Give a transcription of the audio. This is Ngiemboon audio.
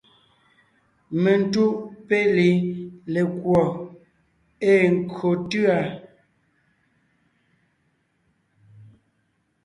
Mentúʼ péli lekùɔ ée nkÿo tʉ̂a.